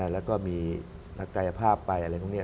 แล้วก็มีนักกายภาพไปอะไรพวกนี้